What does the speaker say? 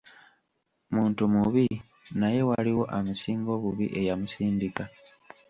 Muntu mubi; naye waliwo amusinga obubi eyamusindika.